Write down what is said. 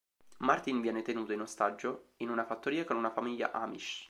Martin viene tenuto in ostaggio in una fattoria con una famiglia Amish.